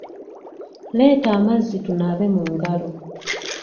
Leeta amazzi tunaabe mu ngalo.